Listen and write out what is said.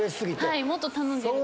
はいもっと頼んでるから。